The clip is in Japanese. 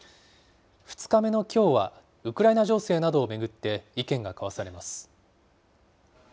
２日目のきょうは、ウクライナ情勢などを巡って意見が交わされます。